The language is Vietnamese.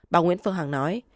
bà nguyễn phương hằng nói